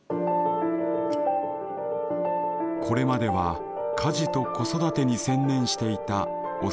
これまでは家事と子育てに専念していたおすしさん。